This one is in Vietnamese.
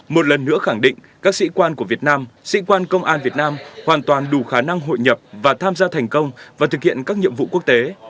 một lần nữa khẳng định các sĩ quan của việt nam sĩ quan công an việt nam hoàn toàn đủ khả năng hội nhập và tham gia thành công và thực hiện các nhiệm vụ quốc tế